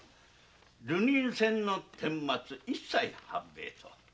「流人船の顛末一切判明」と。